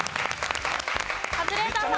カズレーザーさん。